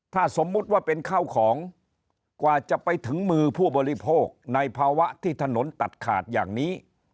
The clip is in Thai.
ถ้าสมมุติว่าเป็นข้าวของกว่าจะไปถึงมือผู้บริโภคในภาวะที่ถนนตัดขาดอย่างนี้